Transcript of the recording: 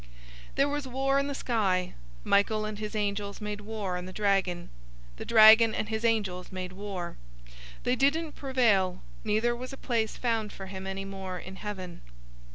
012:007 There was war in the sky. Michael and his angels made war on the dragon. The dragon and his angels made war. 012:008 They didn't prevail, neither was a place found for him any more in heaven.